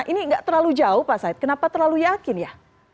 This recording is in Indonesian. ini nggak terlalu jauh pak said kenapa terlalu yakin ya